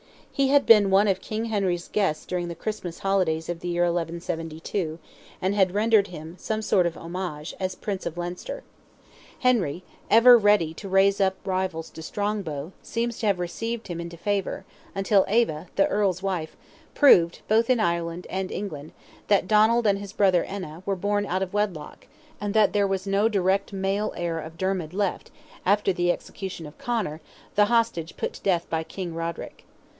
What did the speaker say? He had been one of King Henry's guests during the Christmas holidays of the year 1172, and had rendered him some sort of homage, as Prince of Leinster. Henry, ever ready to raise up rivals to Strongbow, seems to have received him into favour, until Eva, the Earl's wife, proved, both in Ireland and England, that Donald and his brother Enna, were born out of wedlock, and that there was no direct male heir of Dermid left, after the execution of Conor, the hostage put to death by King Roderick.